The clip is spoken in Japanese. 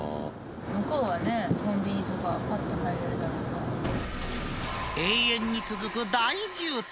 向こうはね、コンビニとか、永遠に続く大渋滞。